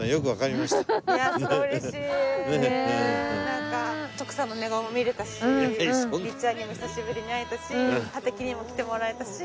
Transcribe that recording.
なんか徳さんの寝顔も見れたし律ちゃんにも久しぶりに会えたし畑にも来てもらえたし。